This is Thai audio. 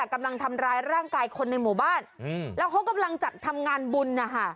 กำลังทำร้ายร่างกายคนในหมู่บ้านแล้วเขากำลังจัดทำงานบุญนะคะ